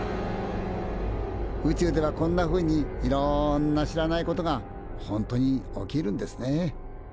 宇宙ではこんなふうにいろんな知らないことが本当に起きるんですねえ。